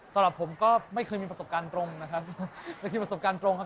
สำหรับผมก็ไม่เคยมีประสบการณ์ตรงนะครับแต่คือประสบการณ์ตรงครับ